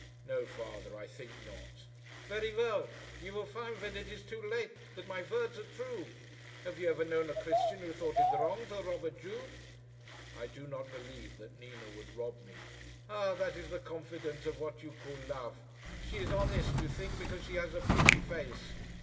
"No father. I think not." "Very well. You will find, when it is too late, that my words are true. Have you ever known a Christian who thought it wrong to rob a Jew?" "I do not believe that Nina would rob me." "Ah! that is the confidence of what you call love. She is honest, you think, because she has a pretty face."